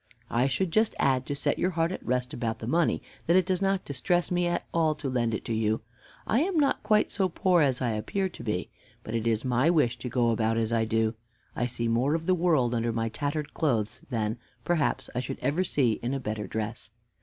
"I should just add, to set your heart at rest about the money, that it does not distress me at all to lend it to you. I am not quite so poor as I appear to be. But it is my wish to go about as I do. I see more of the world under my tattered clothes than, perhaps, I should ever see in a better dress.